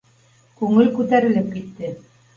Күңел күтәрелеп китте.